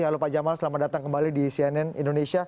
halo pak jamal selamat datang kembali di cnn indonesia